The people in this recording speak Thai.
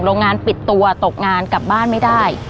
โรงงานปิดตัวตกงานกลับบ้านไม่ได้